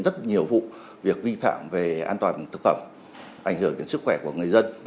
rất nhiều vụ việc vi phạm về an toàn thực phẩm ảnh hưởng đến sức khỏe của người dân